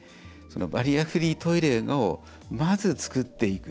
バリアフリートイレをまず、つくっていく。